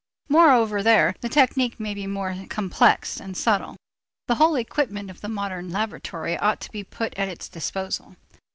Moreover there the technique may be more complex and subtle. The whole equipment of the modern laboratory ought to be put at its disposal.